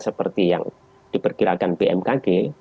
seperti yang diperkirakan bmkg